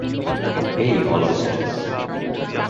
হেই, হলস্ট।